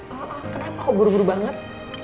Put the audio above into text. kenapa kok buru buru banget